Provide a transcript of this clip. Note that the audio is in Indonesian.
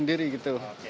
nah ini kan kita masuk